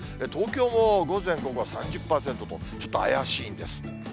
東京も午前、午後は３０％と、ちょっと怪しいです。